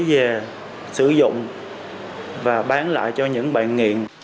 mua ma túy về sử dụng và bán lại cho những bạn nghiện